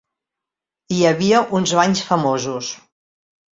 Hi havia uns banys famosos.